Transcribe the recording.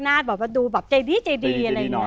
แบบว่าดูแบบใจดีใจดีอะไรอย่างนี้